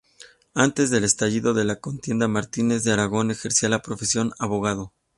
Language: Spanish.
Antes del estallido de la contienda, Martínez de Aragón ejercía la profesión abogado.